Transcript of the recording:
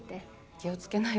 気をつけなよ。